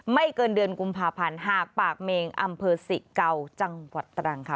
เกินเดือนกุมภาพันธ์หากปากเมงอำเภอสิเกาจังหวัดตรังค่ะ